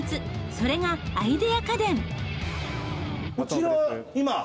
それがアイデア家電。